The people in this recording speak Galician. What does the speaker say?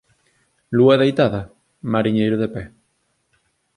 Lua deitada, mariñeiro de pé.